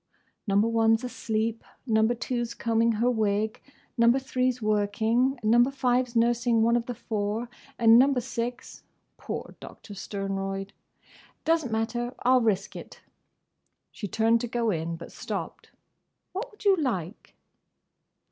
"Number One 's asleep; Number Two 's combing her wig; Number Three 's working; Number Five's nursing one of the four; and Number Six"—poor Doctor Sternroyd!—"doesn't matter. I 'll risk it." She turned to go in, but stopped. "What would you like?"